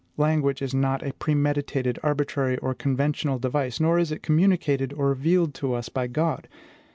Language is not a premeditated, arbitrary, or conventional device; nor is it communicated or revealed to us by God.